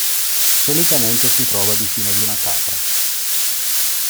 Solitamente si trova vicino ad una capra.